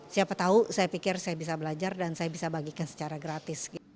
siapa tahu saya pikir saya bisa belajar dan saya bisa bagikan secara gratis